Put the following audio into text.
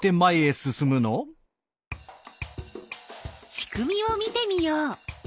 仕組みを見てみよう。